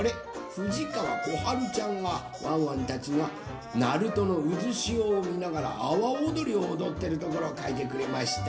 ふじかわこはるちゃんがワンワンたちが鳴門のうずしおをみながらあわおどりをおどってるところをかいてくれました。